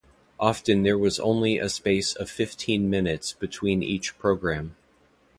Often there was only a space of fifteen minutes between each program.